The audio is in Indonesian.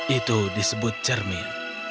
itu disebut cermin